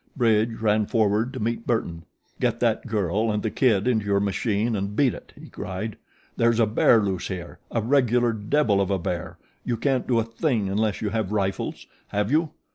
Bridge ran forward to meet Burton. "Get that girl and the kid into your machine and beat it!" he cried. "There's a bear loose here, a regular devil of a bear. You can't do a thing unless you have rifles. Have you?"